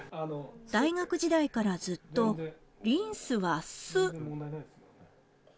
大学時代からずっとリンスは酢。